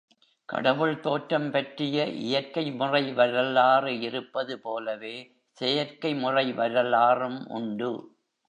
கடவுள் தோற்றம் பற்றிய இயற்கை முறை வரலாறு இருப்பது போலவே செயற்கை முறை வரலாறும் உண்டு.